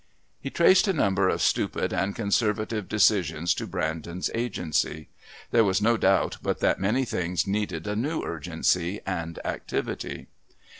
He traced a number of stupid and conservative decisions to Brandon's agency. There was no doubt but that many things needed a new urgency and activity.